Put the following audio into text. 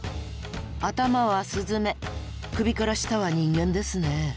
頭はスズメ首から下は人間ですね。